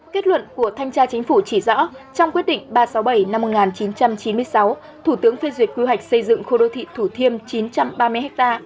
kết luận của thanh tra chính phủ chỉ rõ trong quyết định ba trăm sáu mươi bảy năm một nghìn chín trăm chín mươi sáu thủ tướng phê duyệt quy hoạch xây dựng khu đô thị thủ thiêm chín trăm ba mươi ha